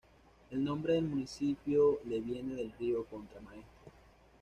El nombre del municipio le viene del río Contramaestre.